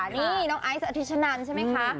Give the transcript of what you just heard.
นี่น้องไอส์อธิชชนันใช่มั้ยคะ